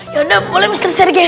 yaudah boleh ustad sergey